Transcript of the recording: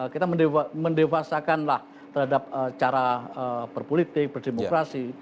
kita mendewasakanlah terhadap cara berpolitik berdemokrasi